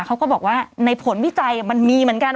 เขาก็บอกว่าในผลวิจัยมันมีเหมือนกัน